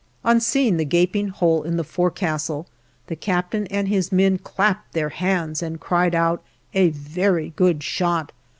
On seeing the gaping hole in the forecastle, the captain and his men clapped their hands and cried out, "A very good shot!"